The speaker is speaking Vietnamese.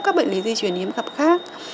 các bệnh lý di truyền yếm gặp khác